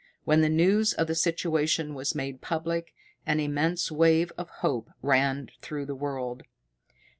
When the news of the situation was made public, an immense wave of hope ran through the world.